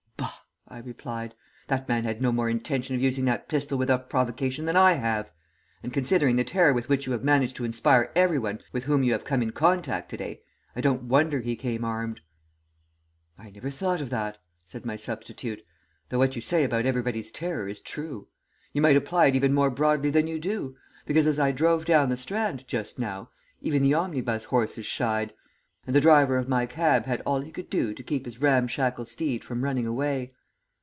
"'Bah!' I replied. 'That man had no more intention of using that pistol without provocation than I have, and considering the terror with which you have managed to inspire everyone with whom you have come in contact to day, I don't wonder he came armed.' "'I never thought of that,' said my substitute, 'though what you say about everybody's terror is true; you might apply it even more broadly than you do, because as I drove down the Strand just now even the omnibus horses shied, and the driver of my cab had all he could do to keep his ramshackle steed from running away.